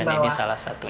ini salah satu